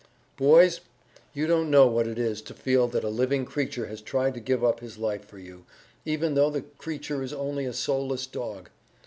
"Boys, you don't know what it is to feel that a living creature has tried to give up his life for you, even though the creature is only a soulless dog.